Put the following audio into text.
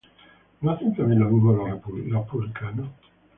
¿no hacen también lo mismo los publicanos?